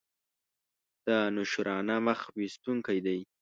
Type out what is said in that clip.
دانشورانه مخ ویستونکی دی.